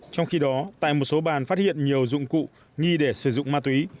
trong khi đó tại một số bàn phát hiện nhiều dụng cụ nghi để sử dụng ma túy